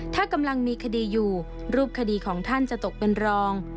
ถ้ากำลังมีคดีอยู่รูปคดีของท่านจะตกเป็นรอง